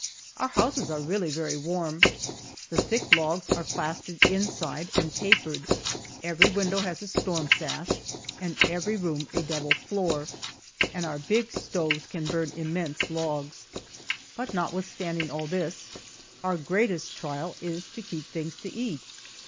Our houses are really very warm the thick logs are plastered inside and papered, every window has a storm sash and every room a double floor, and our big stoves can burn immense logs. But notwithstanding all this, our greatest trial is to keep things to eat.